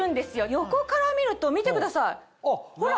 横から見ると見てくださいほら。